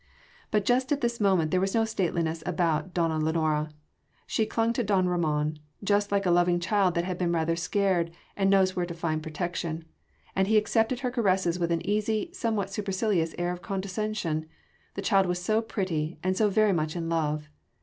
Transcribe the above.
But just at this moment there was no stateliness about donna Lenora: she clung to don Ramon, just like a loving child that has been rather scared and knows where to find protection; and he accepted her caress with an easy, somewhat supercilious air of condescension the child was so pretty and so very much in love!